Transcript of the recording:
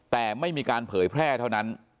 แต่ไม่มีการเผยแพร่เท่านั้น